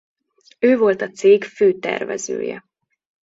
Ő volt a cég fő tervezője.